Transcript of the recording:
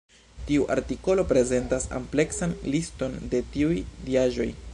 Tiu artikolo prezentas ampleksan liston de tiuj diaĵoj.